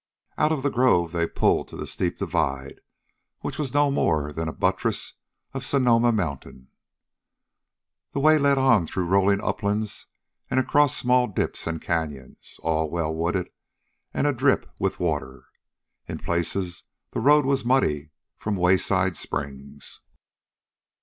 Out of the grove they pulled to the steep divide, which was no more than a buttress of Sonoma Mountain. The way led on through rolling uplands and across small dips and canyons, all well wooded and a drip with water. In places the road was muddy from wayside springs.